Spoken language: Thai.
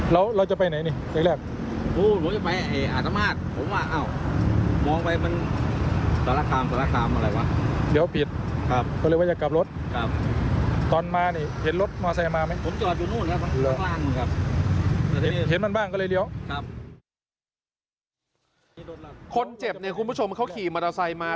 คนเจ็บเนี่ยคุณผู้ชมเขาขี่มอเตอร์ไซค์มา